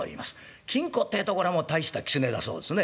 金狐ってえとこらもう大した狐だそうですね。